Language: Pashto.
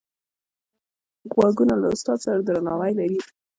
غوږونه له استاد سره درناوی لري